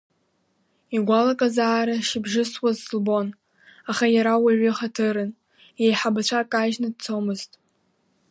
Игәалаҟазаара шыбжьысуаз лбон, аха иара уаҩы ҳаҭырын, еиҳабацәак кажьны дцомызт.